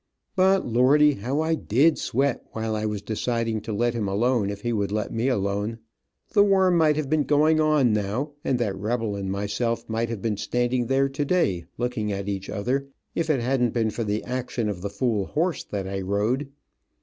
But, lordy, how I did sweat while I was deciding to let him alone if he would let me alone. The war might have been going on now, and that rebel and myself might have been standing there today, looking at each other, if it hadn't been for the action of the fool horse that I rode.